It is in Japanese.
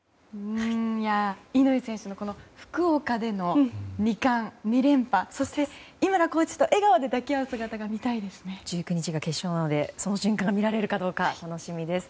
乾選手の福岡での２冠、２連覇そして、井村コーチと笑顔で抱き合う姿が１９日が決勝なのでその瞬間が見られるかどうか楽しみです。